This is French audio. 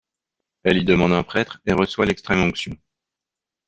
Elle y demande un prêtre et reçoit l'extrême-onction.